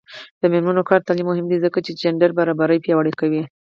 د میرمنو کار او تعلیم مهم دی ځکه چې جنډر برابري پیاوړې کوي.